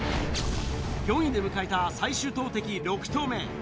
４位で迎えた最終投てき６投目。